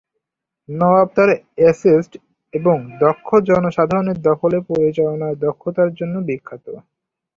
নবাব তার এস্টেট এবং দক্ষ জনসাধারণের দখলে পরিচালনার দক্ষতার জন্য বিখ্যাত।